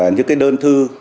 những cái đơn thư